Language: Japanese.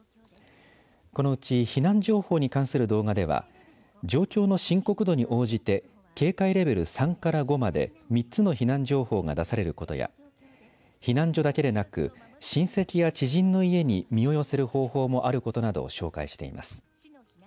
このうち避難情報に関する動画では状況の深刻度に応じて警戒レベル３から５まで３つの避難情報が出されることや避難所だけでなく親戚や知人の家に身を寄せる方法もあることなどを紹介しています。